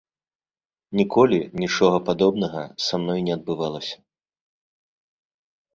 Ніколі нічога падобнага са мной не адбывалася.